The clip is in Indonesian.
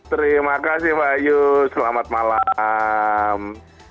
terima kasih mbak ayu selamat malam